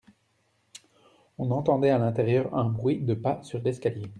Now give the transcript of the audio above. On entendait à l'intérieur un bruit de pas sur l'escalier.